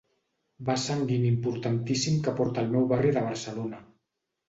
Vas sanguini importantíssim que porta al meu barri de Barcelona.